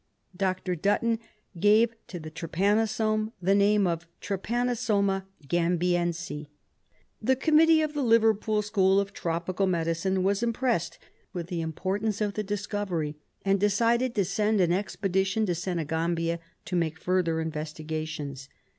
Dr. Dutton gave to the trypanosome the name of Trypanosoma gamhiense. The Committee of the Liverpool School of Tropical Medi cine was impressed with the importance of the discovery, and decided to send an expedition to Senegambia to make further investigations.